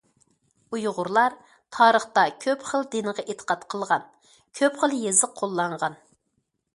ئۇيغۇرلار تارىختا كۆپ خىل دىنغا ئېتىقاد قىلغان، كۆپ خىل يېزىق قوللانغان.